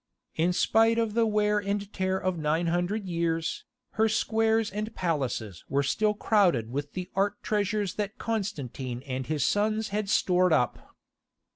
In spite of the wear and tear of 900 years, her squares and palaces were still crowded with the art treasures that Constantine and his sons had stored up.